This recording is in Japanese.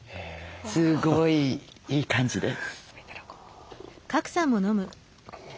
すごいいい感じです。